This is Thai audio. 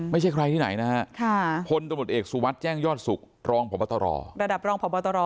ไม่ใช่ใครที่ไหนนะฮะพลตำรวจเอกสุวัสดิ์แจ้งยอดสุขรองพบตรระดับรองพบตร